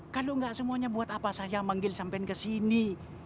kalau enggak semuanya buat apa saya manggil sampe kesini